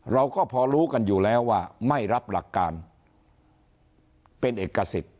เราก็พอรู้กันอยู่แล้วว่าไม่รับหลักการเป็นเอกสิทธิ์